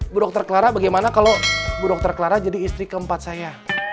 bu dokter clara bagaimana kalau bu dokter clara jadi istri keempat saya